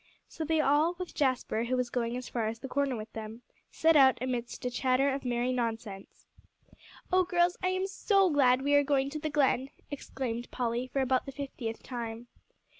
So they all, with Jasper, who was going as far as the corner with them, set out amidst a chatter of merry nonsense. "Oh girls, I am so glad we are going to the Glen!" exclaimed Polly, for about the fiftieth time.